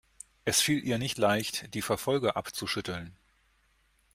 Es fiel ihr nicht leicht, die Verfolger abzuschütteln.